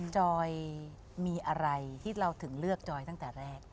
จอยมีอะไรที่เราถึงเลือกจอยตั้งแต่แรก